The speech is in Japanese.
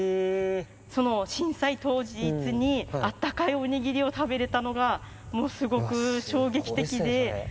その震災当日に、あったかいおにぎりを食べれたのが、もうすごく衝撃的で。